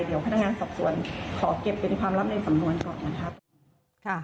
เดี๋ยวพนักงานสอบสวนขอเก็บเป็นความลับในสำนวนก่อนนะครับ